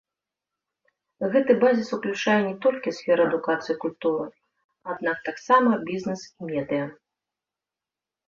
Гэты базіс уключае не толькі сферы адукацыі і культуры, аднак таксама бізнес і медыя.